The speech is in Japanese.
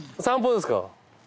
散歩ですか。